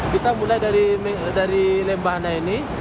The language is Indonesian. kita mulai dari lembahannya ini